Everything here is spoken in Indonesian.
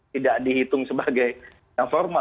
tidak dihitung sebagai yang formal